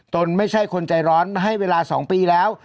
นไม่ใช่คนใจร้อนให้เวลา๒ปีแล้ว